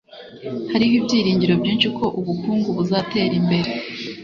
Hariho ibyiringiro byinshi ko ubukungu buzatera imbere.